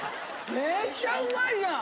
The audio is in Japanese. めっちゃうまいじゃん！